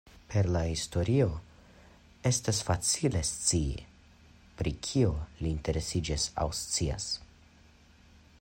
Per la historio, estas facile scii pri kio li interesiĝas aŭ scias.